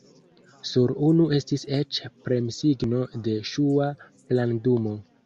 Sur unu estis eĉ premsigno de ŝua plandumo.